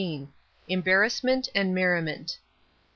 EMBAERASSMENT AND MERRIMENT.